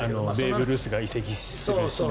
ベーブ・ルースが移籍する、しない。